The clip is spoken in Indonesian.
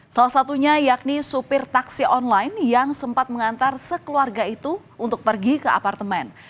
salah satunya yakni supir taksi online yang sempat mengantar sekeluarga itu untuk pergi ke apartemen